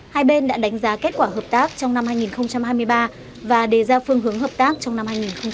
hai bên đã đánh giá kết quả hợp tác trong năm hai nghìn hai mươi ba và đề ra phương hướng hợp tác trong năm hai nghìn hai mươi bốn